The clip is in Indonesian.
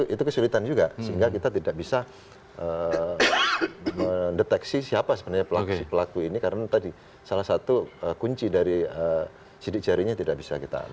itu kesulitan juga sehingga kita tidak bisa mendeteksi siapa sebenarnya pelaku pelaku ini karena tadi salah satu kunci dari sidik jarinya tidak bisa kita